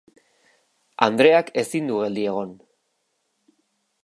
Andreak ezin du geldi egon.